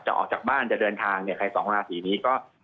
ออกจากบ้านจะเดินทางเนี่ยใครสองราศีนี้ก็